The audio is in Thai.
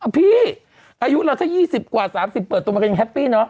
พี่อายุเราถ้า๒๐กว่า๓๐เปิดตัวมันก็ยังแฮปปี้เนาะ